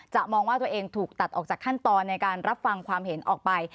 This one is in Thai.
มองว่าตัวเองถูกตัดออกจากขั้นตอนในการรับฟังความเห็นออกไป